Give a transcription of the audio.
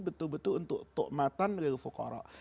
betul betul untuk tukmatan lilfukorok